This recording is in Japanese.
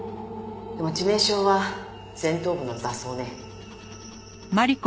でも致命傷は前頭部の挫創ね。